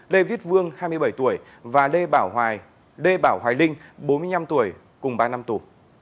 lê viết vương hai mươi bảy tuổi và lê bảo hoài linh bốn mươi năm tuổi cùng ba năm tù